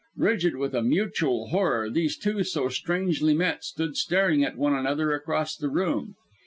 Rigid with a mutual horror, these two so strangely met stood staring at one another across the room.